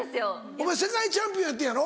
お前世界チャンピオンやってんやろ？